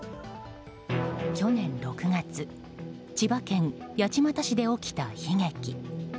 去年６月千葉県八街市で起きた悲劇。